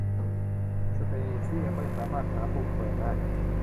สเตซี่ย์ไม่สามารถหาปุ่มเปิดได้